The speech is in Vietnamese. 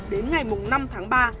đến ngày năm tháng ba